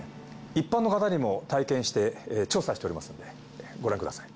一般の方にも体験して調査しておりますのでご覧ください。